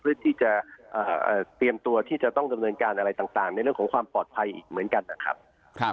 เพื่อที่จะเตรียมตัวที่จะต้องดำเนินการอะไรต่างในเรื่องของความปลอดภัยอีกเหมือนกันนะครับ